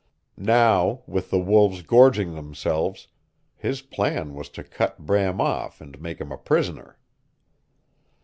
Now, with the wolves gorging themselves, his plan was to cut Bram off and make him, a prisoner.